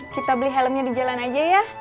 kita beli helmnya di jalan aja ya